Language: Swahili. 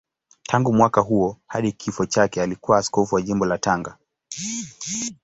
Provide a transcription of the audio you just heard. Tangu mwaka huo hadi kifo chake alikuwa askofu wa Jimbo la Tanga.